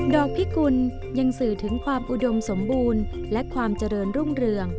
อกพิกุลยังสื่อถึงความอุดมสมบูรณ์และความเจริญรุ่งเรือง